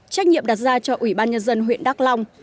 trách nhiệm đặt ra cho ủy ban nhân dân huyện đắk long